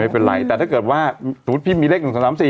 ไม่เป็นไรแต่ถ้าเกิดว่าสมมุติพี่มีเลข๑๓๓๔